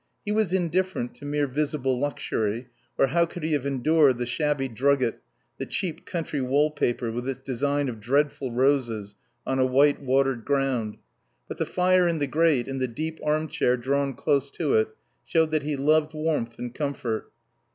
He was indifferent to mere visible luxury, or how could he have endured the shabby drugget, the cheap, country wall paper with its design of dreadful roses on a white watered ground? But the fire in the grate and the deep arm chair drawn close to it showed that he loved warmth and comfort.